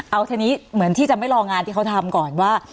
เอาทีนี้เหมือนที่จะไม่รองานที่เขาทำก่อนว่า